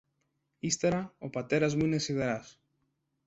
Ύστερα ο πατέρας μου είναι σιδεράς